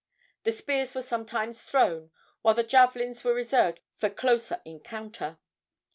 The spears were sometimes thrown, while the javelins were reserved for closer encounter.